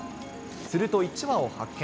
すると１羽を発見。